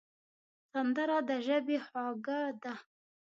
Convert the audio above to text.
سندره د ژبې خواږه ده